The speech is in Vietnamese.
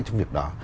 trong việc đó